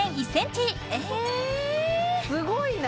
すごいな！